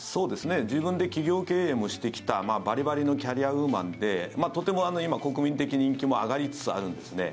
自分で企業経営もしてきたバリバリのキャリアウーマンでとても今、国民的人気も上がりつつあるんですね。